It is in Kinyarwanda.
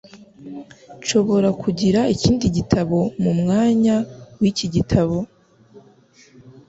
Nshobora kugira ikindi gitabo mu mwanya w'iki gitabo?